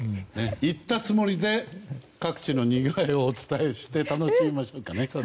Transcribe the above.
行ったつもりで各地のにぎわいをお伝えして楽しみましょうかね。